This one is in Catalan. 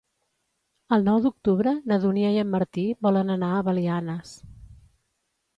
El nou d'octubre na Dúnia i en Martí volen anar a Belianes.